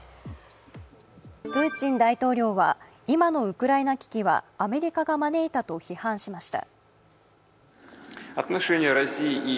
プーチン大統領は今のウクライナ危機はアメリカが招いたと批判しました。